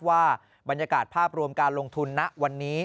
ว่าบรรยากาศภาพรวมการลงทุนณวันนี้